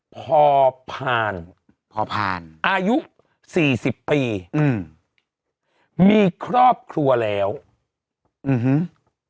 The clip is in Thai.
พอผ่านพอผ่านอายุสี่สิบปีอืมมีครอบครัวแล้วอืม